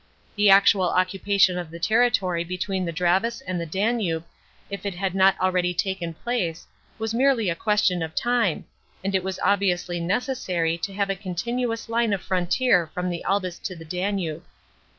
The actual occupation of the territory between the Dravus and the Danube, if it had not already taken place, was merely a question of time, and it was obviously necessary to have a continuous line of frontier from the Albis to the Danube.